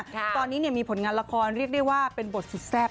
ตอนนี้มีผลงานละครเรียกได้ว่าเป็นบทสุดแซ่บ